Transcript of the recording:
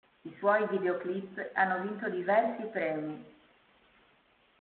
I suoi videoclip hanno vinto diversi premi.